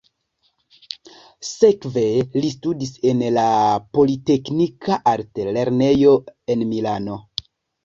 Sekve li studis en la politeknika altlernejo en Milano.